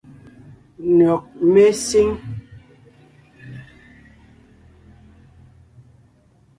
Nÿɔ́g mé síŋ.